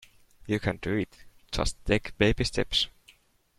You can do it. Just take baby steps.